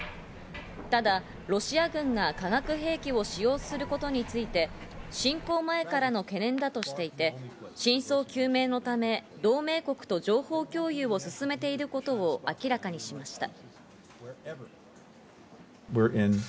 ただ、ロシア軍が化学兵器を使用することについて侵攻前からの懸念だとしていて、真相究明のため同盟国と情報共有を進めていることを明らかにしました。